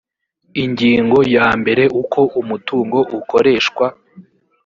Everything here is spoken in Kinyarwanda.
ingingo yambere uko umutungo ukoreshwa